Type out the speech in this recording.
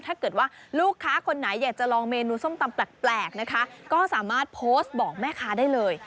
ถ้าเกิดว่าลูกค้าคนไหนอยากจะลองเมนูส้มตำแปลกนะคะก็สามารถโพสต์บอกแม่ค้าได้เลย